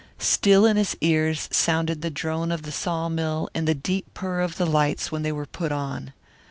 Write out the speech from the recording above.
Still in his ears sounded the drone of the sawmill and the deep purr of the lights when they were put on.